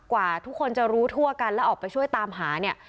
กว่าทุกคนจะรู้ทั่วกันแล้วออกไปช่วยตามหาเนี่ย